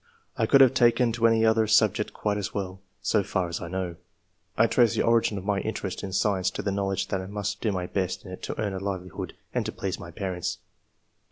I could have taken to any other subject quite as well, so far as I know. ^ I trace the origin of my interest in science to the knowledge that I must do my best in it to earn a livelihood and to please my parents.